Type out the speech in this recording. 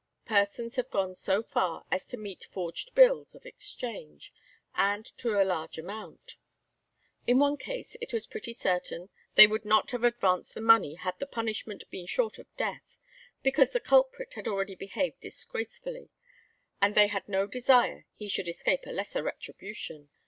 Persons have gone so far as to meet forged bills of exchange, and to a large amount. In one case it was pretty certain they would not have advanced the money had the punishment been short of death, because the culprit had already behaved disgracefully, and they had no desire he should escape a lesser retribution.